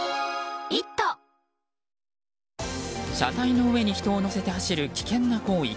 車体の上に人を乗せて走る危険な行為。